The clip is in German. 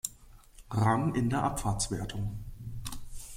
Rang in der Abfahrtswertung.